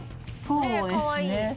そうですね。